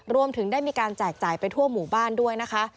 รวมถึงได้มีการแจกจ่ายไปทั่วหมู่บ้านด้วยนะคะ